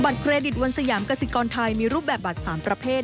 เครดิตวันสยามกสิกรไทยมีรูปแบบบัตร๓ประเภท